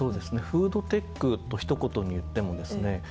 フードテックと一言に言ってもですね